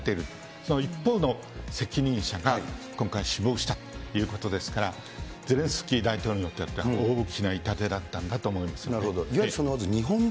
その一方の責任者が今回、死亡したということですから、ゼレンスキー大統領にとっては、大きな痛手だったんだと思いますなるほど。